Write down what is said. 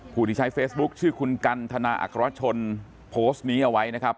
ผู้ที่ใช้เฟซบุ๊คชื่อคุณกันทนาอัครชนโพสต์นี้เอาไว้นะครับ